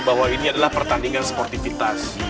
bahwa ini adalah pertandingan sportivitas